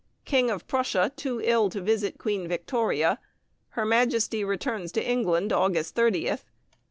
King of Prussia too ill to visit Queen Victoria. Her Majesty returns to England, August 30th.